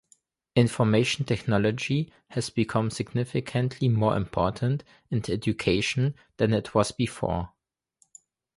Information technology has become significantly more important in education than it was before.